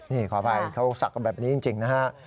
นี่ขออภัยเขาศักดิ์กันแบบนี้จริงนะฮะ